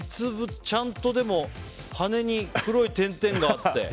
ちゃんと羽に黒い点々があって。